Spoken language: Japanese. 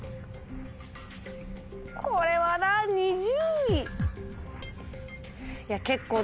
これはな２０位。